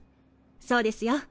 そうですよ。